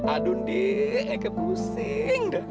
aduh ndi eka pusing